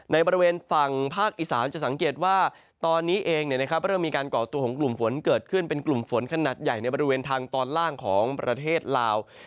ในบริเวณฝั่งภาคอีสานจะสังเกตว่าตอนนี้เองเริ่มมีการก่อตัวของกลุ่มฝนเกิดขึ้นเป็นกลุ่มฝนขนาดใหญ่ในบริเวณทางตอนล่างของประเทศลาว